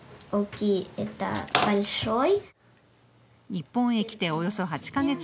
日本へ来ておよそ８か月。